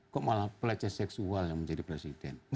kok malah peleceh seksual yang menjadi presiden